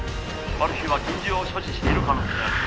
「マル被は拳銃を所持している可能性あり」